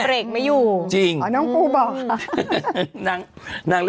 เปรกไม่อยู่น้องปูบอกค่ะจริง